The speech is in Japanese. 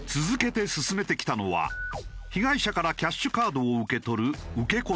続けて勧めてきたのは被害者からキャッシュカードを受け取る受け